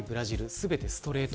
全てストレート